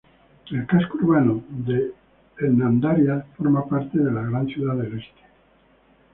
El casco urbano de Hernandarias forma parte del Gran Ciudad del Este.